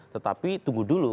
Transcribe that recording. tetapi tunggu dulu